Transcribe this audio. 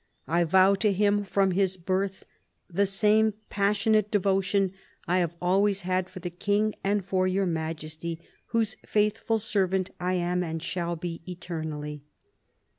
I vow to him, from his birth, the same passionate devotion I have always had for the King and for your Majesty, whose faithful servant I am and shall be eternally.